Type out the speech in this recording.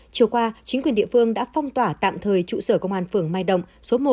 chiều qua chính quyền địa phương đã phong tỏa tạm thời trụ sở công an phường mai động số một